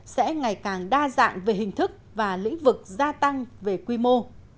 sẽ ngày càng đa dạng về hình thức và lĩnh vực gia tăng về quy mô